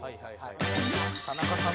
田中さん